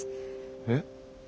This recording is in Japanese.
えっ？